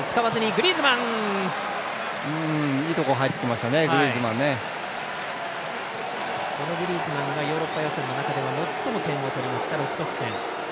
グリーズマンがヨーロッパ予選の中では最も点を取りました６得点。